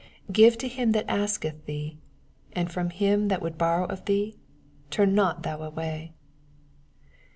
42 Give to him that asketh thee, and fyom him that would borrow of thee turn not thou away.